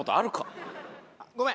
ごめん！